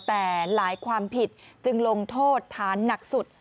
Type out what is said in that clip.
แต่หลายความผิดจึงลงโทษฐานหนักสุด